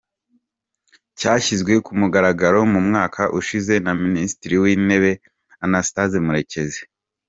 Cyashyizwe ku mugaragaro mu mwaka ushize na Minisitiri w’Intebe, Anastase Murekezi.